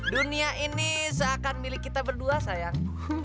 dunia ini seakan milik kita berdua sayang